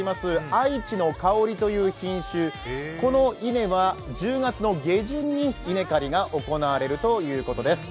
あいちのかおりという品種、この稲は１０月の下旬に稲刈りが行われる予定だと思います。